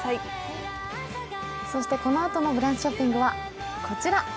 このあとのブランチショッピングはこちら。